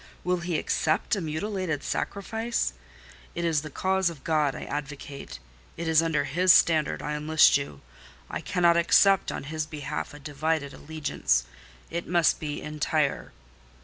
Will He accept a mutilated sacrifice? It is the cause of God I advocate: it is under His standard I enlist you. I cannot accept on His behalf a divided allegiance: it must be entire."